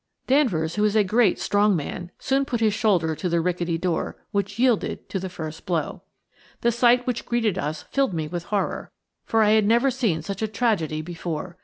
Danvers, who is a great, strong man, soon put his shoulder to the rickety door, which yielded to the first blow. The sight which greeted us filled me with horror, for I had never seen such a tragedy before.